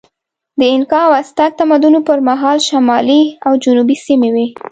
د اینکا او ازتک تمدنونو پر مهال شمالي او جنوبي سیمې وې.